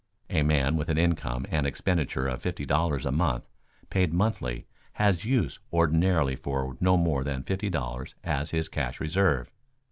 A man with an income and expenditure of fifty dollars a month paid monthly has use ordinarily for no more than fifty dollars as his cash reserve.